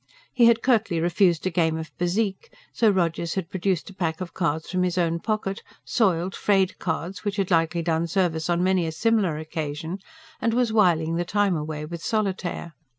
He had curtly refused a game of bezique; so Rogers had produced a pack of cards from his own pocket soiled, frayed cards, which had likely done service on many a similar occasion and was whiling the time away with solitaire.